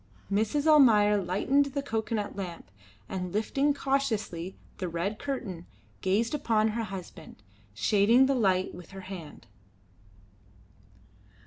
Mrs. Almayer lighted the cocoanut lamp, and lifting cautiously the red curtain, gazed upon her husband, shading the light with her hand.